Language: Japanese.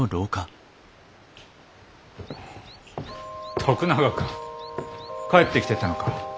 徳永君帰ってきてたのか。